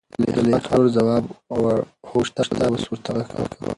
زليخا ترور ځواب وړ .هو شته زه اوس ورته غږ کوم.